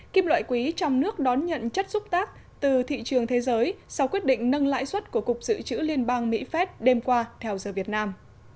kim loại quý trong nước đón nhận chất xúc tác từ thị trường thế giới sau quyết định nâng lãi suất của cục dự trữ liên bang mỹ phép đêm qua theo giờ việt nam